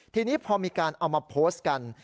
ทีนี้พอมีการเอามาโพสต์กัน